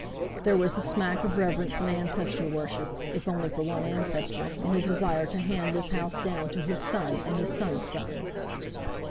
There was the smack of reverence and ancestor worship (if only for one ancestor) in his desire to hand this house down to his son and his son's son.